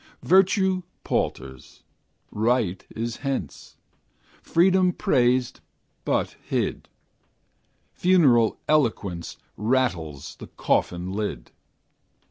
Virtue palters; Right is hence; Freedom praised, but hid; Funeral eloquence Rattles the coffin lid.